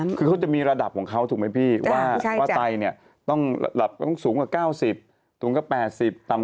มันยังไม่วายนั่นแหละมั้ยไม่เฉียบนะครับครับ